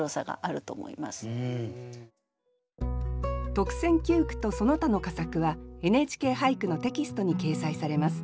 特選九句とその他の佳作は「ＮＨＫ俳句」のテキストに掲載されます。